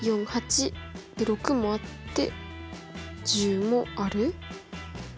で６もあって１０もある。